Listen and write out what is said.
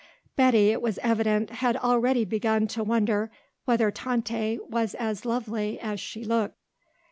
Betty, it was evident, had already begun to wonder whether Tante was as lovely as she looked.